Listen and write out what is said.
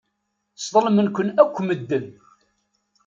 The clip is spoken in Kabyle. Sḍelmen-ken akk medden.